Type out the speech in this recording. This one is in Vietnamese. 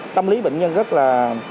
tâm lý bệnh nhân rất là